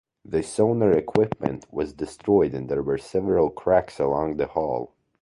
The sonar equipment was destroyed and there were several cracks along the haul.